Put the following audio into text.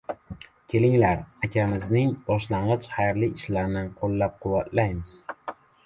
Kelinglar, akamizning boshlagan xayrli ishlarini qoʻllab quvvatlaymiz.